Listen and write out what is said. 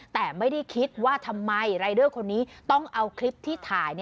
แต่ไม่ได้คิดว่าทำไมรายเดอร์คนนี้ต้องเอาคลิปที่ถ่าย